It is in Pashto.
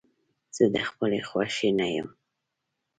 زه د خپلې خوښې نه يم.